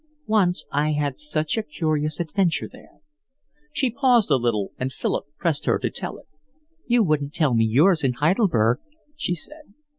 "Once I had such a curious adventure there." She paused a little and Philip pressed her to tell it. "You wouldn't tell me yours in Heidelberg," she said.